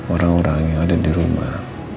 orang orang yang ada di rumah